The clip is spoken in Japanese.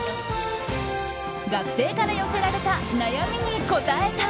学生から寄せられた悩みに答えた。